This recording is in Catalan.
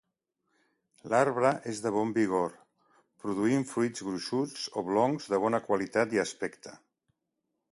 L'arbre és de bon vigor, produint fruits gruixuts, oblongs, de bona qualitat i aspecte.